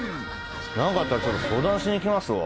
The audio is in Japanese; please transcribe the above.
何かあったら相談しに来ますわ。